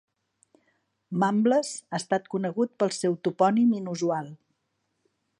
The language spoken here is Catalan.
Mumbles ha estat conegut pel seu topònim inusual.